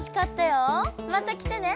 また来てね！